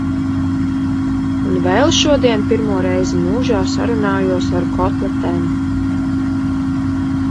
Un vēl šodien pirmo reizi mūžā sarunājos ar kotletēm.